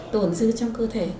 tồn dư trong cơ thể